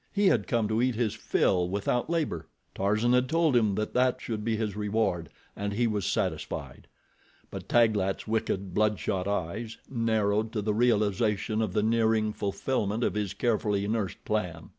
He had come to eat his fill without labor—Tarzan had told him that that should be his reward, and he was satisfied. But Taglat's wicked, bloodshot eyes, narrowed to the realization of the nearing fulfillment of his carefully nursed plan.